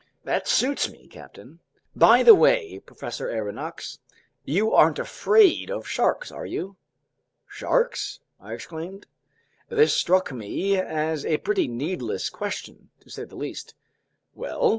"That suits me, captain." "By the way, Professor Aronnax, you aren't afraid of sharks, are you?" "Sharks?" I exclaimed. This struck me as a pretty needless question, to say the least. "Well?"